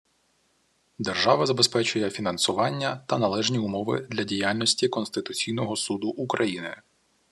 Держава забезпечує фінансування та належні умови для діяльності Конституційного Суду України